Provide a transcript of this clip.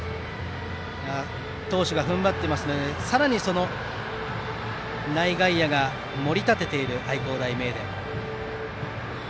投手が踏ん張っていますのでさらに内外野が盛り立てている愛工大名電。